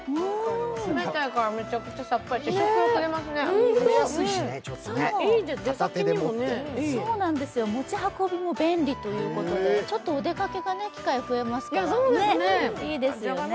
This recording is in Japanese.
冷たいからめちゃくちゃさっぱりして食べやすいね、片手で持って持ち運びも便利ということで、お出かけの機会、増えますからいいですらね。